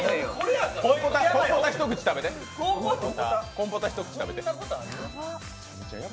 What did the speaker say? コンポタ一口食べて。